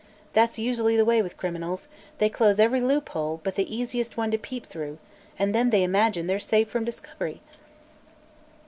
That's usually the way with criminals; they close every loop hole but the easiest one to peep through and then imagine they're safe from discovery!"